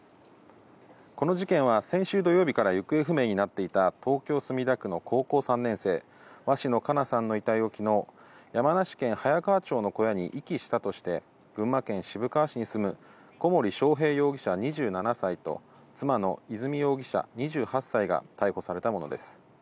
この事件は先週土曜日から行方不明になっていた東京・墨田区の高校３年生、鷲野花夏さんの遺体をきのう、山梨県早川町の小屋に遺棄したとして、群馬県渋川市に住む小森章平容疑者２７歳と、妻の和美容疑者２８歳が逮捕されたものです。